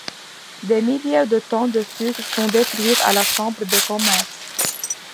Des milliers de tonnes de sucre sont détruites à la Chambre de commerce.